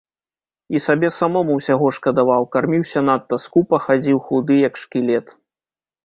І сабе самому ўсяго шкадаваў, карміўся надта скупа, хадзіў худы, як шкілет.